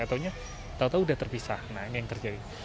atau tahu tahu sudah terpisah nah ini yang terjadi